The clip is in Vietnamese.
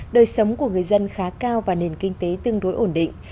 đời sống của người dân khá cao và nền kinh tế tương đối ổn định